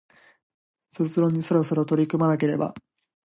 卒論にそろそろ取り組まなければ